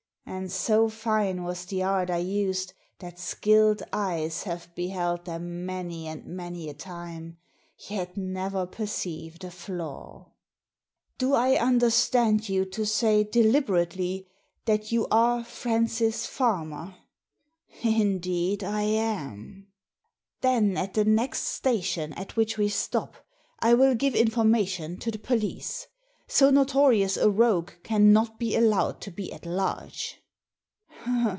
And so fine was the art I used that skilled eyes have beheld them many and many a time, yet never perceived a flaw." " Do I understand you to say deliberately that you are Francis Farmer ?"" Indeed I am." Then at the next station at which we stop I will give information to the police. So notorious a rogue cannot be allowed to be at large."